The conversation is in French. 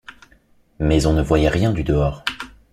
Mais on ne voyait rien du dehors.